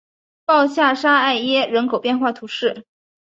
鲍下沙艾耶人口变化图示